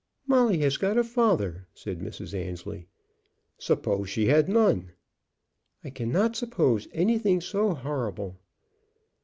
"Molly has got a father," said Mrs. Annesley. "Suppose she had none?" "I cannot suppose anything so horrible."